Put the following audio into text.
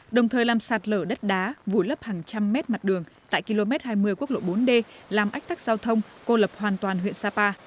đồng thời làm sạt lở đất đá vùi lấp hàng trăm mét mặt đường tại km hai mươi quốc lộ bốn d làm ách tắc giao thông cô lập hoàn toàn huyện sapa